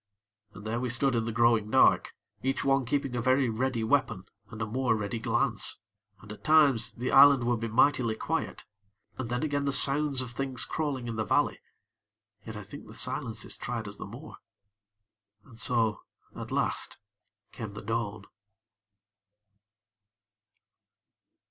And there we stood in the growing dark, each one keeping a very ready weapon, and a more ready glance. And at times the island would be mightily quiet, and then again the sounds of things crawling in the valley. Yet, I think the silences tried us the more. And so at last came the dawn.